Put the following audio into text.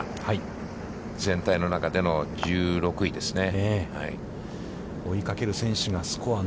全体の中での１６位ですね。